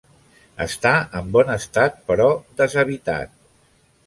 Està en bon estat però deshabitat.